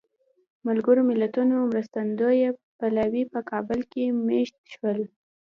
ملګرو ملتونو مرستندویه پلاوی په کابل کې مېشت شول.